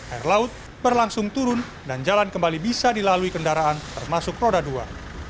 air laut berlangsung turun dan jalan kembali bisa dilalui kendaraan termasuk roda dua